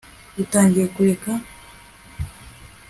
utangiye kureka